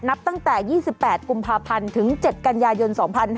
นับตั้งแต่๒๘กุมภาพันธ์ถึง๗กันยายน๒๕๕๙